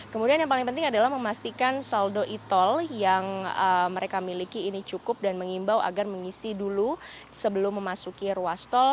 kemudian yang paling penting adalah memastikan saldo e tol yang mereka miliki ini cukup dan mengimbau agar mengisi dulu sebelum memasuki ruas tol